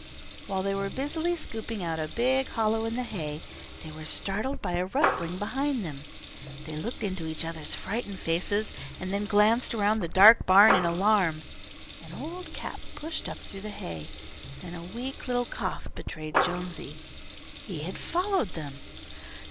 While they were busily scooping out a big hollow in the hay, they were startled by a rustling behind them. They looked into each other's frightened faces, and then glanced around the dark barn in alarm. An old cap pushed up through the hay. Then a weak little cough betrayed Jonesy. He had followed them.